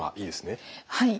はい。